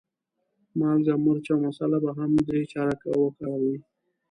مالګه، مرچ او مساله به هم درې چارکه وکاروې.